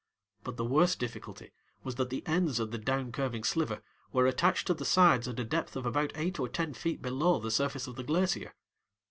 But the worst difficulty was that the ends of the down curving sliver were attached to the sides at a depth of about eight or ten feet below the surface of the glacier.